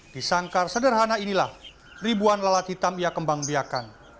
di sangkar sederhana inilah ribuan lalat hitam ia kembang biakan